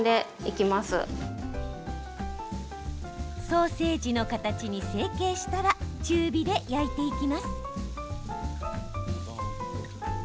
ソーセージの形に成形したら中火で焼いていきます。